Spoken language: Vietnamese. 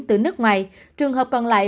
từ nước ngoài trường hợp còn lại